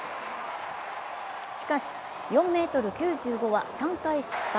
しかし、４ｍ９５は３回失敗。